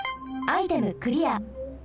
アイテムクリア。